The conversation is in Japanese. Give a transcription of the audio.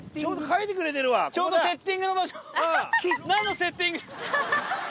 何のセッティング。